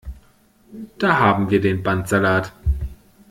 Da haben wir den Bandsalat!